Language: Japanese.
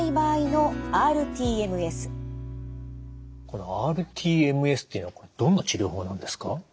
このｒＴＭＳというのはどんな治療法なんですか？